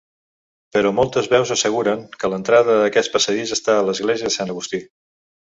Però moltes veus asseguren que l'entrada a aquest passadís està a l'església de Sant Agustí.